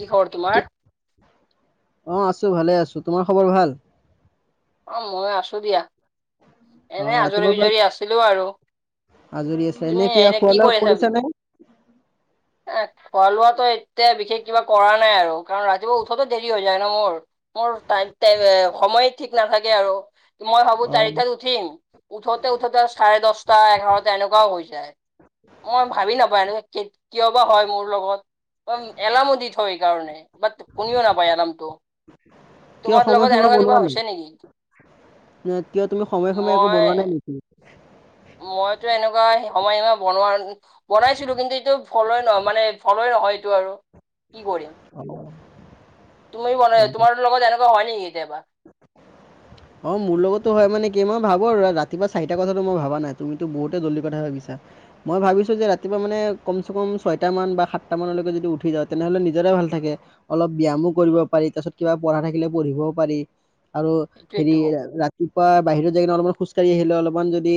কি খবৰ তোমাৰ অ আছো ভালে আছো তোমাৰ খবৰ ভাল অ মই আছো দিয়া অ এনে আজৰি ৰাতিপুৱাৰ পৰা বিজৰি আছিলো আৰু আজৰি আছিলে তুমি এনে কি খোৱা কৰি লোৱা আছা? কৰিছা নে [unintelligible] খোৱা লোৱাটো এতিয়া বিশেষ কিবা কৰা নাই আৰু কাৰণ ৰাতিপুৱা উঠোতো দেৰি হৈ যায় ন মোৰ, মোৰ [unintelligible] সময়ত ঠিক নাথাকে আৰু, মই ভাবো অ চাৰিটাত উঠিম, উঠোতে উঠোতে চাৰে দশ টা এঘাৰতা এনেকোৱাও হৈ যায়। মই ভাবি নাপাও এনেকে, কি-কিয় বা হয় মোৰ লগত। উম। এলাৰ্মো দি থও হেইকাৰণে বাত শুনিও নাপায় এলাৰ্মটো। তোমাৰ লগত এনেকুৱা কিবা হৈছে নেকি? ন কিয় তুমি সময়ে-সময়ে একো বনোৱা মই নাই নেকি? মইতো এনেকুৱা সময়সীমা বনোৱা বনাইছিলো। কিন্তু এইটো ফল'ৱে নহল। মানে ফল'ৱে হয়টো আৰু কি কৰিম! অ তুমিন গম তোমাৰ লগত এনে কিবা হয় নেকি কেতিয়াবা? অ মোৰ লগতো হয় মানে কি, ই মই ভাবো আৰু। ৰাতিপুৱা চাৰিটা কথাটো মই ভাবা নাই। তুমিতো বহুতে জল্দি কথা ভাবিছা। মই ভাবিছো যে ৰাতিপুৱা মানে কম-চে- কম ছয়টা মান বা সাতটা মানলৈকে যদি উঠি যাওঁ, তেনেহলে নিজৰে ভাল থাকে। অলপ ব্যামো কৰিব পাৰি। তাছত কিবা পঢ়া থাকিলে পঢ়িবও পাৰি। আৰু হেৰি সেইটোৱেতো ৰা কিবা বাহিৰত যাই অলপমান খোজকাঢ়ি আহিলে অলপমান, যদি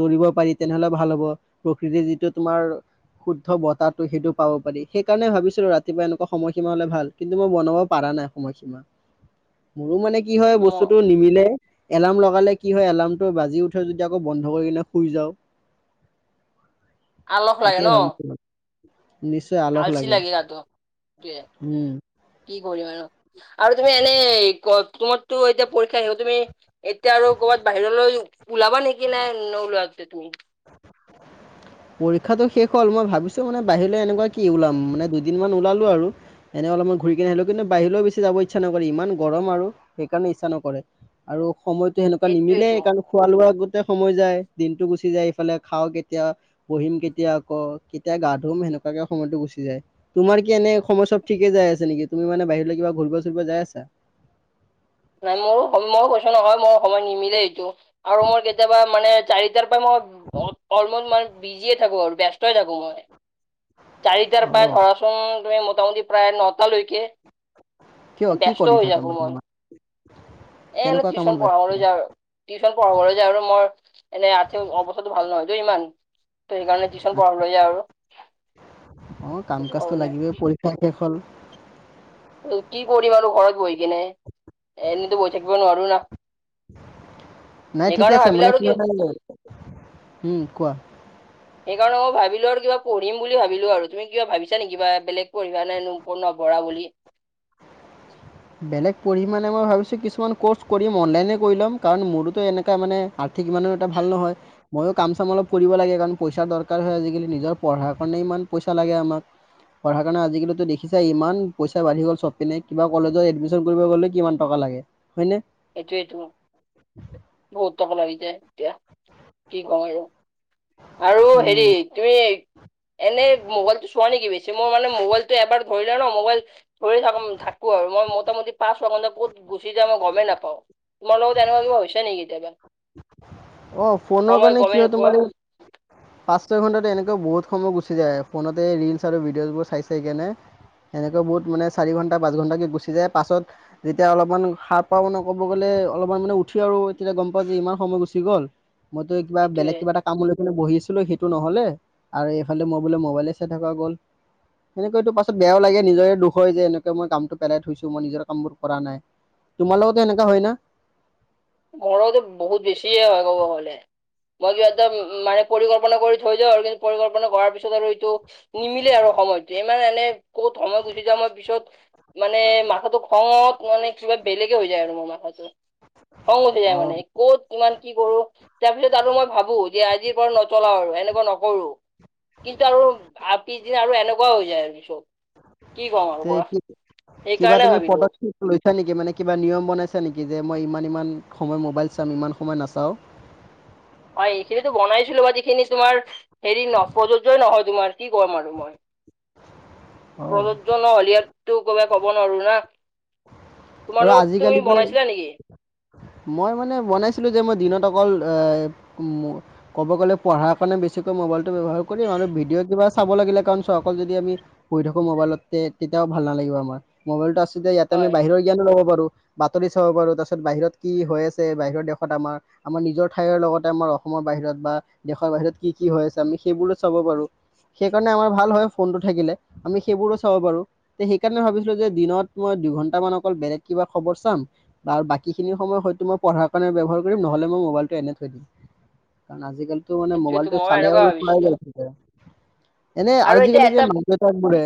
দৌৰিব পাৰি তেনেহলে ভাল হ'ব প্ৰকৃতিৰ যিটো তোমাৰ শুদ্ধ বতাহটো সেইটো পাব পাৰি। সেইকাৰণে ভাবিছিলো ৰাতিপুৱা এনেকুৱা সময়সীমা হলে ভাল। কিন্তু মই বনাব পাৰা নাই সময়সীমা। মোৰো মানে কি হয় মোৰ বস্তুতো নিমিলে। এলাৰ্ম লগালে কি হয় এলাৰ্মটো বাজি উঠে যদিও আকৌ বন্ধ কৰি কিনে শুই যাওঁ। আলহ লাগে তাকে ন? ভাবিছো [inaudible] আলস আলচি লাগে লাগি [unintelligible] টোৱে উম কি কৰি আৰু! আৰু তুমি এনেই তোমাৰতো এতিয়া পৰীক্ষা শেষ হ'ল। তুমি এতিয়া আৰু ক'ৰবাত বাহিৰলৈ উলাবা নে কি নাই নউলৱা তুমি? পৰীক্ষাটো শেষ হ'ল। মই ভাবিছো মানে বাহিৰলৈ এনেকুৱা কি ওলাম, মানে দুদিনমান ওলালো আৰু এ অলপমান ঘূৰি কিনে আহিলো। কিন্তু বাহিৰলৈও বেছি যাব ইচ্ছা নকৰে। ইমান গৰম আৰু। সেইকাৰণে ইচ্ছা নকৰে। আৰু সময়তো সেনেকুৱা নিমিলে, এইটোৱেতো কাৰণ খোৱা-লোৱাৰ আগত সময় যায় দিনটো গুচি যায়, ইফালে। খাওঁ কেতিয়া বহিম কেতিয়া আকৌ। কেতিয়া গা-ধুম সেনেকুৱাকে সময়তো গুচি যায়। তোমাৰ কি এনে সময় চব ঠিকে যায় যাই আছে নেকি? তুমি মানে বাহিৰলৈ কিবা ঘূৰিব -চুৰিব যাই আছা? [inaudible] নাই মোৰো মই কৈছো নহয়। মই সময় নিমিলেই এইটো আৰু মই কেতিয়াবা মানে চাৰিটাৰ পৰা মই অলপমান বিজিয়ে থাকো আৰু ব্যস্তই থাকো মই। চাৰিটাৰ অ পা ধৰাচোন তুমি মোটামুটি প্ৰায় নটালৈকে কিয় কি ব্যস্ত কৰি হৈ থাকা যাব মানে মই। ইমান এ এনেই কেনেকুৱা টিউশন কামত ব্যস্ত পঢ়াবলৈ যাওঁ। টিউশচন পঢ়াবলৈ যাওঁ আৰু মই। এনে আৰ্থিক অৱস্থাটো ভাল নহয়তো ইমান। ত' সেইকাৰণে টিউচন পঢ়াব লাগে আৰু। অ সেইটো কাম-কাজটো কাৰণে লাগিবই। পৰীক্ষা শেষ হ'ল। কি কৰিম আৰু ঘৰত বহি কিনে। এনেতো বহি থাকিব নোৱাৰো না। নাই ঠিক সেইকাৰণে আছে। ভাবিলো মানে। আৰু কি? উম কোৱা সেইকাৰণে মই ভাবিলো আৰু কিবা পঢ়িম বুলি ভাবিলো আৰু। তুমি কা ভাবিছা নেকি বা বেলেগ পঢ়িবা নাই ন প নপৰা বুলি বেলেগ পঢ়ি মানে মই ভাবিছো কিছুমান কৰ্চ কৰিম। অনলাইনে কৰি ল'ম। কাৰণ মোৰতো এনে মানে ঠিক ইমান এটা ভাল নহয়। ময়ো কাম-চাম অলপ কৰিব লাগে। কাৰণ পইচাৰ দৰকাৰ হয় আজিকালি। নিজৰ পঢ়াৰ কাৰণেই পইচা লাগে আমাক। পঢ়াৰ কাৰণে আজিকালিটো দেখিছাই ইমান পইচা বাঢ়ি গ'ল চবপিনে কিবা কলেজত এডমিচন কৰিব গলে কিমান টকা লাগে। হয়নে এইটোয়েইটো বহুত টকা লয় যে। এতিয়া কি কম আৰু! আৰু হেৰি তুমি এনে মোবাইলটো চোৱা নেকি বেছি? মোৰ মানে মোবাইলতটো এবাৰ ধৰিলে ন' মোবাইল ধৰি থ থাকো আৰু মই মোটামুটি পাছোৱা ক'ত গুচি যাৱা মই গমে নাপাওঁ। তোমাৰ লগত এনকুৱা কিবা হৈছে নেকি কেতিয়াবা? অ' ফোনৰ সময় কাৰণে গমেই কি হয় নোপোৱা তোমাৰ এই পাঁচ-ছয় ঘণ্টাত এনেকুৱা বহুত সময় গুচি যায় ফোনতে ৰিলচ আৰু ভিডিঅ'জবোৰ চাই চাইহ কেনে সেনেকৈ বহুত মানে চাৰি ঘণ্টা, পাঁচ ঘন্টাকে গুচি যায়। পাছত যেতিয়া অলপমান সাৰ পাও মানে ক'ব গ'লে অলপমান মানে উঠি আৰু তেতিয়া গম পাওঁ যে ইমান সময় গুচি গ'ল মইতো কিবা বেলেগ সেইটোয়ে কিবা এটা কাম মে বহিছিলো সেইটো নহ'লে আৰু এইফালে মই বোলে মোবাইলে চাই থকা গ'ল সেনেকৈয়েটো পাছত বেয়াও লাগে, নিজৰে দুখ হয় যে এনেকে মই কামটো পেলাই থৈছোঁ, মই নিজৰ কামবোৰ কৰা নাই। তোমাৰ লগতো এনেকা হয় না? ঘৰতটো বহুত বেছিয়ে হয়, ক'ব গ'লে মই কিবা এতি মানে পৰিকল্পনা কৰি থৈ যাওঁ আৰু কিন্তু পৰিকল্পনা কৰাৰ পিছত আৰু এইটো নিমিলে আৰু সময়টো ই এনে ক'ত সময় গুচি যায় মই পিছত মানে মাথাটো খঙত মানে কিবা বেলেগে আৰু ম'ম' খাইছোঁ খং উঠি অ যায় মানে কত কিমান কি কৰোঁ, তাৰপিছত আৰু মই ভাবোঁ যে আজিৰ পৰা নচলাওঁ আৰু। এনেকুৱা নকৰোঁ, কিন্তু আৰু পিছদিনা আৰু এনেকুৱাও হৈ যায় আৰু চব তে কিবা তুমি ভাবিলো পদক্ষেপ লৈছা নেকি মানে কিবা নিয়ম বনাইছা নেকি যে মই ইমান ইমান সময় মোবাইল চাম ইমান সময় নাচাওঁ হয় এইখিনিতো বনাইছিলোঁ বা যিখিনি তোমাৰ হেৰি ন প্ৰযোজ্যই নহয় তোমাৰ কি ক'ম আৰু মই অ প্ৰযোজ্য ন'হলিয়াততটো ক'ব ক'ব নোৱাৰোঁ না আৰু তোমাৰ লগত, আজিকালি তুমি যে বনাইছিলা নেকি? মই মানে বনাইছিলোঁ যে মই দিনত অকল ক'ব গ'লে পঢ়াৰ কাৰণে বেছি মোবাইলটো ব্যৱহাৰ কৰিম আৰু ভিডিঅ' কিবা চাব লাগিলে কাৰণ চোৱা অকল যদি আমি পঢ়ি থাকোঁ মোবাইলতে তেতিয়া ভাল নালাগিব আমাৰ, মোবাইলত আতে ইয়াতে আমি হয় বাহিৰৰ জ্ঞানো ল'ব পাৰোঁ, বাতৰি চাব পাৰোঁ, তাৰপিছত বাহিৰত কি হৈ আছে বাহিৰৰ দেশত আমাৰ আমাৰ নিজৰ ঠাইৰ লগতে আমাৰ অসমৰ বাহিৰত বা দেশৰ বাহিৰত কি কি হৈ আছে আমি সেইবোৰো চাব পাৰোঁ। সেই কাৰণে আমাৰ ভাল হয় ফোনটো থাকিলে আমি সেইবোৰো চাব পাৰোঁ, তে সেইকাৰণে ভাবিছিলো যে দিনত মই দুইঘণ্টামান অকল বেলেগ কিবা খবৰ চাম, বা বাকী খিন সময় হয়তো মই পঢ়াৰ কাৰণে ব্যৱহাৰ কৰিম নহ'লে মই মোবাইলটো এনেই থৈ দিম, কাৰণ আজ টো মানে সেইটোয়েতো মোবাইলটো মই চালে এনেকুৱা আৰু চলাই ভাবিছিলো গৈ থাকে। এনে আৰু এতিয়া আজিকালি যে এটা মাক-দেউতাক বোৰে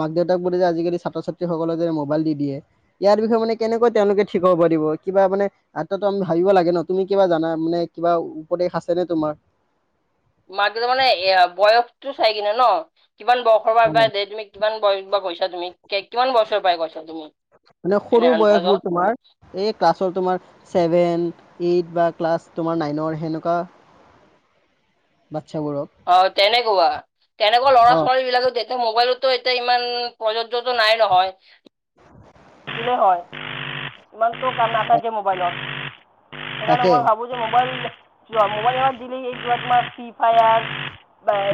মাক দেউতাক বোৰে যে আজিকালি ছাত্ৰ ছাত্ৰী সকলে যে মোবাইল দি দিয়ে ইয়াৰ বিষয়ে মানে কেনেকৈ তেওঁলোকে ঠিক হ'ব পাৰিব। কিবা মানে এটা ত ভাবিব লাগে ন তুমি কিবা জানা মানে কিবা উপদেশ আছে নে তোমাৰ মাকে দেউতাক মানে এ বয়সটো চাই কিনে ন। কিমান বয়সৰ পৰা অ পৰা দে তুমি কিমান বয়সৰ পৰা কৈছা তুমি কিমান বয়ছৰ পৰাই কৈছা তুমি মানে এনে সৰু আন্তাজত বয়সবোৰ তোমাৰ এই ক্লাছৰ তোমাৰ ছেভেন এইট বা ক্লাছ তোমাৰ নাইনৰ সেনেকুৱা বাচ্ছাবোৰক অ' তেনেকুৱা তেনেকুৱা ল'ৰা অ ছোৱালী বিলাকো এয়া মোবাইলতো এতিয়া ইমান প্ৰযোজ্যতো নাই নহয়। হয়, ইমানতটো কাম নাথাকে মোবাইলত। সেইকাৰণে তাকে মই ভাবো যে মোবাইল যোৱা মোবাইল [unintelligible] তোমাৰ ফ্ৰী ফায়াৰ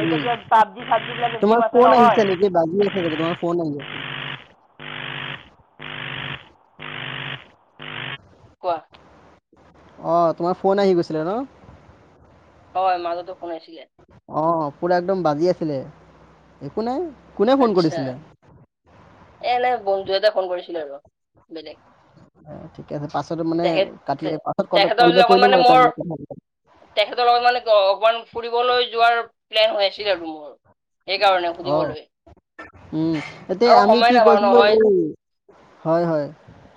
উম যে পাবজি চাবজি বিলাক তোমাৰ গেম আছে ফোন আহিছে নহয় নেকি বাজি আছে চাগে তোমাৰ ফোন আহি আছে [unintelligible] [inaudible] কোৱা। অ' তোমাৰ ফোন আহি গৈছিলে ন। হয় মাজতো শুনিছিলে অঁ পুৰা একদম বাজি আছিলে, একো নাই কোনে ফোন আচ্ছা কৰিছিলে এ এনে বন্ধু এটা ফোন কৰিছিলোঁ আৰু বেলেগ। ঠিকে আছে পাছত মানে তেখেত কাটি পাছত কওঁতে তেখেতৰ কলবেক লগত কৰিলে মানে মোৰ তেখেতৰ লগত মানে অকমান ফুৰিবলৈ যোৱাৰ প্লেন হৈ আছিল আৰু মোৰ। সেই কাৰণে অ সুধিবলৈ। উম এতিয়া আৰু আমি সময় কি নাপাওঁ নহয় কৈছিলোঁ হয় হয়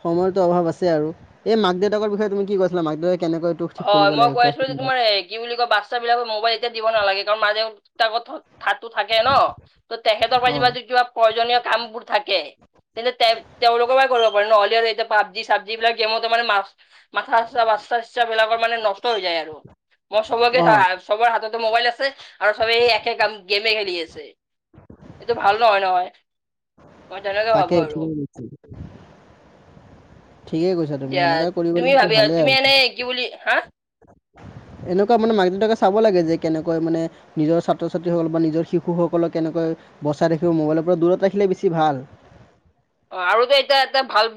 সময় অভাৱ আছে আৰু এই মাক দেউতাক বিষয়ে তুমি কি কৈছিলা মাক দেউতাক হয় মই কৈ আছিলোঁ যে তোমাৰ কি বুলি কয় বাচ্ছাবিলাকৰ মোবাইল এতিয়া দিব নালাগে কাৰণ মাজে থাতো থাকে ন ত তেখেতৰ পৰা অ যিবা য কিবা প্ৰয়োজনীয় কাম বোৰ থাকে। তেনে তে তেওঁলোক কৰিব পাৰে ন। এতিয়া যেতিয়া পাবজি চাবজি বিলাক গেমত আমাৰ মাথ-মাথা আছে [unintelligible] ইচছা বিলাকৰ মানে নষ্ট হৈ যায় আৰু মই চবকে অ চাওঁ চবৰ হাততে মোবাইল আছে। আৰু চবেই একে কাম গেমে খেলি আছে এইটো ভাল নহয় নহয়। মই তেনেকে তাকেই ভাবোঁ আৰু। ঠিকেই কৈছা ঠিকেই কৈছা তুমি দিয়া এনেকা কৰিব তুমি লাগে ভাবি ভালেই তুমি আৰু এনেই কি বুলি, হা? এনেকুৱা মানে মাক দেউতাকে চাব লাগে যে কেনেকৈ মানে নিজৰ ছাত্ৰ ছাত্ৰীসকল বা নিজৰ শিশুসকলক কেনেকৈ [unintelligible] বচাই ৰাখিব মোবাইলৰ পৰা দূৰত ৰাখিলে বেছি ভাল। [inaudible] অ', আৰুতো এতে-এতিয়া এটা ভাল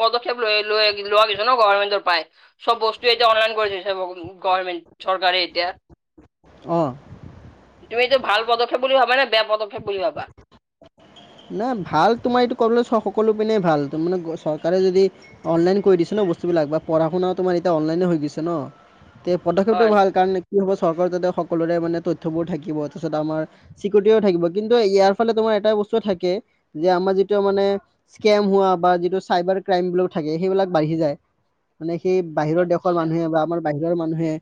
পদক্ষেপ লৈ লৈ লোৱা গৈছে ন' গভামেণ্টৰ পাই চব বস্তু এতিয়া অনলাইন কৰি দিছে বহুত গভৰ্ণমেণ্ট চৰকাৰে এতিয়া অঁ তুমি এইটো ভাল পদক্ষেপ বুলি ভাবানে? বেয়া পদক্ষেপ বুলি ভাবা। নাই ভাল তোমাৰ এইটো [unintelligible] সকলো পিনে ভাল তাৰ মানে চৰকাৰে যদি অনলাইন কৰি দিছে ন' বস্তু তুমি লাগবা পঢ়াশুনা তোমাৰ এতিয়া অনলাইনে হৈ গৈছে ন' তে পদক্ষেপটো হয় ভাল কাৰণে কি হব চৰকাৰৰ যাতে সকলোৰে মানে তথ্যবোৰ থাকিব তাৰ পিছত আমাৰ, চিকুৰিটিও থাকিব কিন্তু ইয়াৰ ফালে তোমাৰ এটা বস্তু চো থাকে যে আমাৰ যিটো মানে স্কেম হোৱা বা যিটো চাইবাৰ ক্ৰইম বিলাক থাকে সেইবিলাক আহি যায় মানে সেই বাহিৰৰ দেশৰ আচ্ছা মানুহে বা আমাৰ বাহিৰৰ মানুহে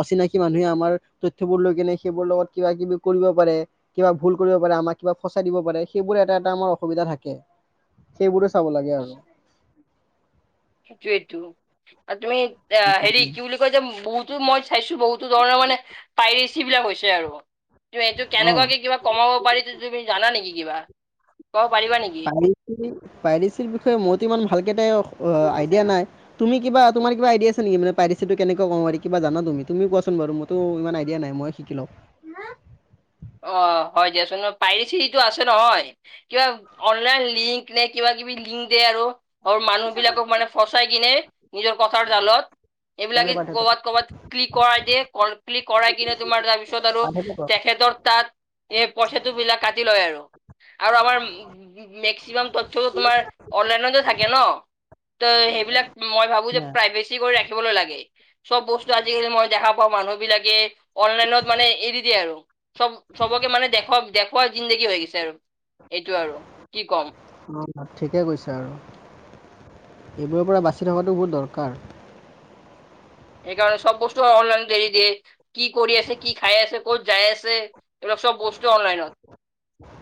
অচিনাকি মানুহে আমাৰ তথ্যবোৰ লৈ কেনে সেইবোৰ লগত কিবা কিবি কৰিব পাৰে কিবা ভুল কৰিব পাৰে। আমাক কিবা ফচাই দিব পাৰে। সেইবোৰে এটা এটা আমাৰ অসুবিধা থাকে, সেইবোৰে চাব লাগে আৰু। সেইটোৱাটো। তুমি, এ হেৰি কি বুলি কয় যে বহুতো মই চাইছো বহুতো ধৰণৰ মানে পাই ৰিচিবিলাক হৈছে আৰু, এইটো অ কেনেকুৱাকে কিবা কমাব পাৰি যদি তুমি জানা নেকি কিবা? কব পাৰিবা নেকি [unintelligible] পাইডিছিৰ বিষয়ে মইতো ইমান ভালকে কেইটাইও আইডিয়া নাই, তুমি কিবা তোমাৰ কিবা আইডিয়া আছে নেকি মানে পাইডিচিটো কেনেকৈ কমাব পাৰি, কিবা জানা তুমি? তুমি কোৱাচোন বাৰু মইতো, ইমান আইডিয়া নাই মই শিকি লও। [inaudible] অ হয় দিয়াচোন ন প্ৰাইভেচী যিটো আছে নহয় কিবা অনলাইন লিংক কিনে কিবা কিবি লিংক দে আৰু মানুহবিলাকক মানে ফচাই কিনে নিজৰ কথাৰ জালত এইবিলাকে ক'বাত ক'বাত ক্লিক কৰাই দিয়ে ক ক্লিক কৰাই কিনে তোমাৰ তাৰপিছত আৰু, তেখেতৰ এ পইচাটোবিলাক কাটি লয় আৰু। আৰু আমাৰ মেক্সিমাম তথ্য তোমাৰ অনলাইনতে থাকে ন। ত সেইবিলাক মই ভাবো যে প্ৰায় ভেছি কৰি ৰাখিবলৈ লাগে। চব বস্তু আজিকালি মই দেখা পাওঁ মানুহবিলাকে, অনলাইনত মানে এৰি দিয়ে আৰু। চব চবকে মানে দেখক দেখুৱা জিন্দগী হৈ গৈছে আৰু এইটো আৰু। কি ক'ম অ ঠিকে কৈছো আৰু। এইবোৰৰ পৰা বাচি থকাটো বহুত দৰকাৰ। সেইকাৰণে সব বস্তু অনলাইনত এৰি দিয়ে, কি কৰি আছে, কি খাই আছে, ক'ত যায় আছে, এইবিলাক চব বস্তু অলাইনত।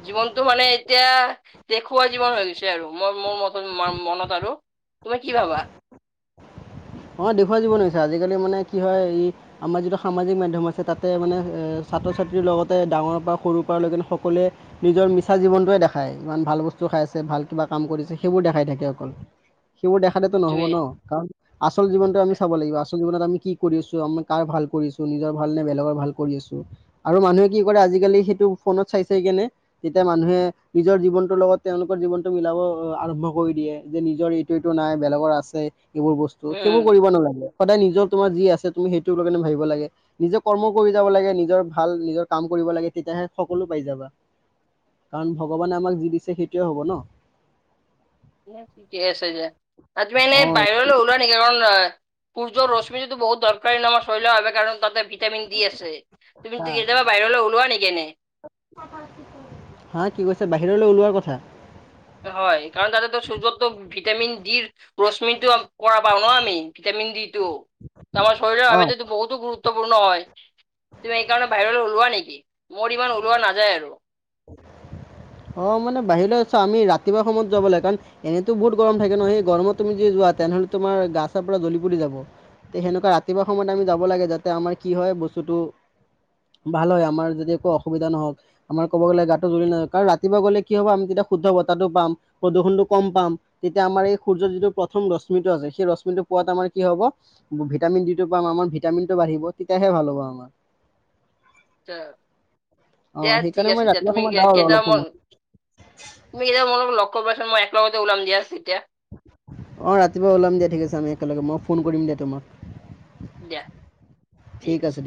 জীৱনটো মানে এতিয়া দেখুওৱা জীৱন হৈ গৈছে আৰু, মই মোৰ ম মনত আৰু। তোমাৰ কি ভাবা? অ, দেখুওৱা জীৱন হৈছে, আজিকালি মানে কি হয় ই আমাৰ যিটো সামাজিক মাধ্যম আছে, তাতে মানে এ ছাত ছাত্ৰ ছাত্ৰীৰ লগতে ডাঙৰ পৰা সৰুৰ পৰা লৈকে সকলোৱে নিজৰ মিছা জীৱনটোৱে দেখাই, ইমান ভাল বস্তু খায় আছে ভাল কিবা কাম কৰিছে, সেইবোৰ দেখাই থাকে অকল। সেইবোৰ দেখালেতো নহ'ব সেইটোৱে ন, কাৰণ আচল জীৱনতটো আমি চাব লাগিব। আচল জীৱনত আমি কি কৰি আছোঁ, আমি কাৰ ভাল কৰিছোঁ, নিজৰ ভাল নে বেলেগৰ ভাল কৰি আছোঁ আৰু মানুহে কি কৰে আজিকালি সেইটো ফোনত চাই চাই কেনে তেতিয়া মানুহে নিজৰ জীৱনটোৰ লগত তেওঁলোকৰ জীৱনতটো মিলাব আৰম্ভ কৰি দিয়ে, যে নিজৰ এইটো এইটো নাই, বেলেগৰ আছে এইবোৰ বস্তু সেইবোৰ উম। কৰিব নালাগে সদায় নিজৰ তোমাৰ যি আছে তুমি সেইটোৰ বাৱে ভাবিব লাগে নিজৰ কৰ্ম কৰি যাব লাগে নিজৰ ভাল নিজৰ কাম কৰি লাগে তেতিয়াহে সকলো পাই যাবা। কাৰণ ভগৱানে আমাক যি দিছে সেইটোৱে হ'ব ন। ঠিকে আছে দিয়া ত তুমি এনে অ বাহিৰলৈ ওলোৱা নেকি কাৰণ সূৰ্যৰ ৰশ্মিটো বহুত দৰকাৰী ন আমাৰ শৰীৰৰ বাবে কাৰণ তাতে ভিটামিন দি আছে। তুমি কেতিয়াবা বাহিৰলৈ ওলোৱা নেকি এনেই? হা কি কৈছা বাহিৰলৈ ওলোৱাৰ কথা? হয় কাৰণ তাতেতো সূৰ্যতটো ভিটামিন ডিৰ ৰশ্মিনটো পৰা পাও ন আমি [unintelligible] শৰীৰৰ অঁ বাবে বহুো গুৰু [unintelligible] গুৰুত্বপূৰ্ণ হয় তুমি এইকাৰণে বাহিৰলৈ ওলোৱা নেকি? মোৰ ইমান ওলোৱা নাযায় আৰু [inaudible] অ মানে বাহিৰলৈ আছা আমি ৰাতিপুৱা সময়ত যাব লাগ কাৰণ এনেতো বহুত গৰম থাকে ন সেই গৰমত তুমি যি যোৱা তেনেহ'লে তোমাৰ গা ছাৰ পোৰা জ্বলি পুৰি যাব তে সেনেকুৱা ৰাতিপুৱা সময়ত আমি যাব লাগে যাতে আমাৰ কি হয় বস্তুটো ভাল হয় আমাৰ যদি একো অসুবিধা নহওঁক আমাৰ ক'ব গ'লে গাটো জুৰি নাই কাৰণ ৰাতি ৰাতিপুৱা গ'লে কি হ'ব আমি তেতিয়া শুদ্ধ বতাহটো পাম প্ৰদূষণ টো কম পাম। তেতিয়া আমাৰ এই সূৰ্য যিটো প্ৰথম ৰশ্মিিতটো আছে সেই ৰশ্মি টো পোৱাত আমাৰ কি হ'ব ভিটামিন ডি আমাৰ ভিটামিন টো বাঢ়িব তেতিয়াহে ভাল হ'ব। ব [unintelligible] ত [inaudible] অঁ দিয়া ঠিক সেইকাৰণে মই আছে দিয়া ৰাতিপুৱা তুমি সময়ত যাওঁ আৰু অলপ কেইটাম [unintelligible] সময় তুমি কেইটাম লগ কৰিবাচুন মই একলগতে উলাম দিয়া তেতিয়া অ ৰাতিপুৱা ওলাম দিয়া ঠিক আছে। আমি একেলগে মই ফোন কৰিম দিয়া তোমাক। দিয়া ঠিক আছে।